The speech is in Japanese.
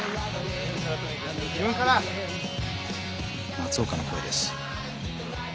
松岡の声です。